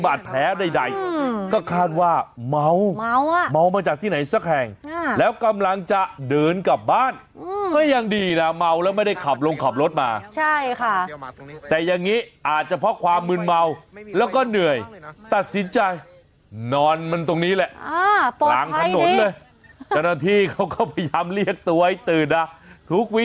โอ้โหโอ้โหโอ้โหโอ้โหโอ้โหโอ้โหโอ้โหโอ้โหโอ้โหโอ้โหโอ้โหโอ้โหโอ้โหโอ้โหโอ้โหโอ้โหโอ้โหโอ้โหโอ้โหโอ้โหโอ้โหโอ้โหโอ้โหโอ้โหโอ้โหโอ้โหโอ้โหโอ้โหโอ้โหโอ้โหโอ้โหโอ้โหโอ้โหโอ้โหโอ้โหโอ้โหโอ้โห